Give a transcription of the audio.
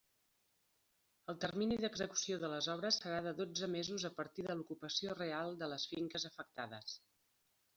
El termini d'execució de les obres serà de dotze mesos a partir de l'ocupació real de les finques afectades.